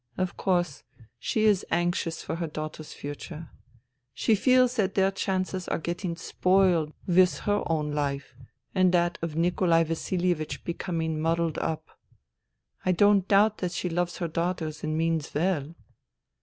Of course, she is anxious for her daughters' future. She feels that their chances are getting spoiled with her own life and that of Nikolai Vasilievich becoming mud dled up. I don't doubt that she loves her daughters and means well.